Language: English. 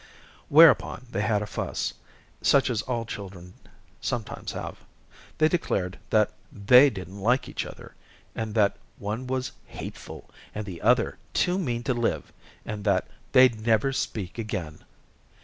Whereupon they had a fuss, such as all children sometimes have. They declared that "they didn't like each other," and that one was "hateful" and the other "too mean to live," and that "they'd never speak again."